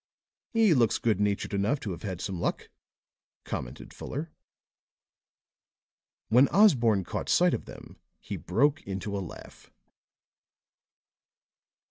"He looks good natured enough to have had some luck," commented Fuller. When Osborne caught sight of them he broke into a laugh.